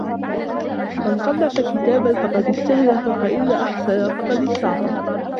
مَنْ صَنَّفَ كِتَابًا فَقَدْ اسْتَهْدَفَ فَإِنْ أَحْسَنَ فَقَدْ اسْتَعْطَفَ